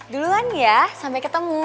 duluan ya sampai ketemu